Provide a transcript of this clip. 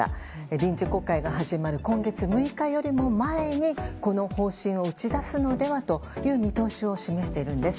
臨時国会が始まる今月６日よりも前にこの方針を打ち出すのではという見通しを示しているんです。